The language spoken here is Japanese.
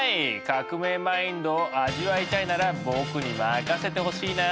革命マインドを味わいたいなら僕に任せてほしいな。